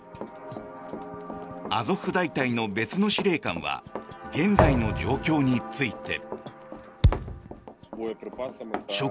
アゾフ大隊の別の司令官は現在の状況について。